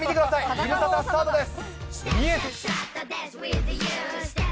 ズムサタスタートです。